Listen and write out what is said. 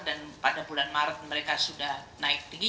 dan pada bulan maret mereka sudah naik tinggi